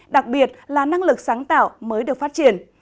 đặc biệt là năng lực sáng tạo mới được phát triển